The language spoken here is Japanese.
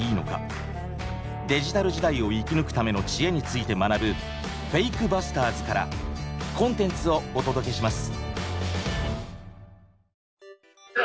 デジタル時代を生き抜くための知恵について学ぶ「フェイク・バスターズ」からコンテンツをお届けします